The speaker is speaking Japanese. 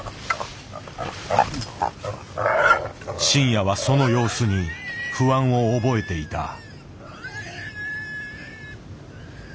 真矢はその様子に不安を覚えていた。